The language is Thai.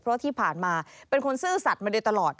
เพราะที่ผ่านมาเป็นคนซื่อสัตว์มาโดยตลอด